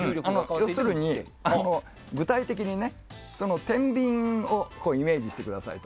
要するに、具体的にてんびんをイメージしてください。